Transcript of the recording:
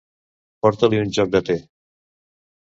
Porta-li un joc de tè.